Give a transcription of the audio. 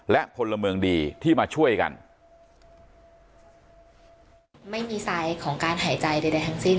และพลเมืองดีที่มาช่วยกันไม่มีสายของการหายใจใดทั้งสิ้น